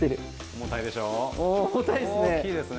重たいですね。